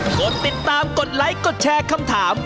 กดติดตามกดไลค์กดแชร์คำถาม